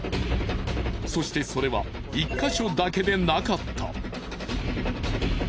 そしてそれは１か所だけでなかった。